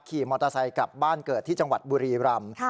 ขี่มอเตอร์ไซค์กลับบ้านเกิดที่จังหวัดบุรีรำ